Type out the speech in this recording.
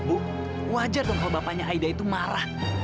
uh wajar dong kalau bapaknya aida itu marah